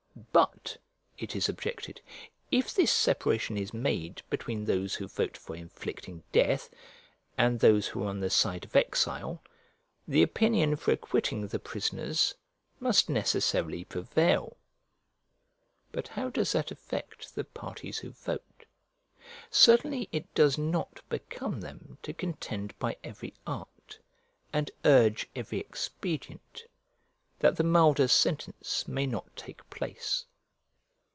"But," it is objected, "if this separation is made between those who vote for inflicting death, and those who are on the side of exile, the opinion for acquitting the prisoners must necessarily prevail." But how does that affect the parties who vote? Certainly it does not become them to contend by every art, and urge every expedient, that the milder sentence may not take place.